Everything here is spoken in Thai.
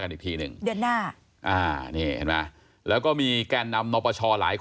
เดือนหน้า